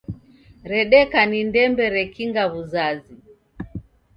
Redeka ni ndembe rekinga w'uzazi